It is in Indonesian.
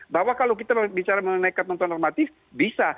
bahwa kalau kita bicara mengenai ketentuan normatif bisa